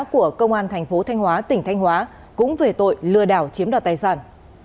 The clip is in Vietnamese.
của công an thành phố thanh hóa tỉnh thanh hóa cũng về tội lừa đảo chiếm đoạt tài sản